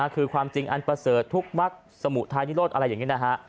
คือความจริงอันประเสริฐทุกมักสมุทายนิโรธอะไรอย่างนี้นะฮะ